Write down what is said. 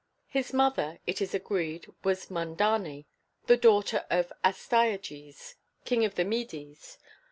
His mother, it is agreed, was Mandane, the daughter of Astyages, king of the Medes.